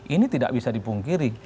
ini tidak bisa dipungkiri